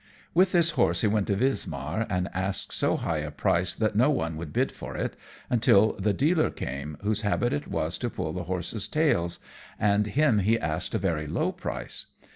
With this horse he went to Wismar, and asked so high a price that no one would bid for it, until the dealer came whose habit it was to pull the horses' tails, and him he asked a very low price.